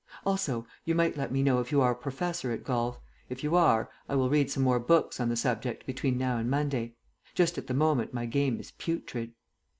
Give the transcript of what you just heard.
Also you might let me know if you are a professor at golf; if you are, I will read some more books on the subject between now and Monday. Just at the moment my game is putrid.